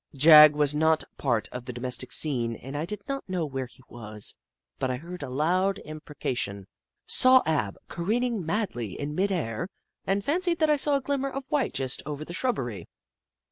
Jagg was not a part of the domestic scene and I did not know where he was, but I heard a loud im precation, saw Ab careening madly in midair, and fancied that I saw a glimmer of white just over the shrubbery.